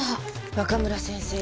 若村先生